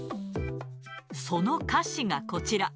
その歌詞がこちら。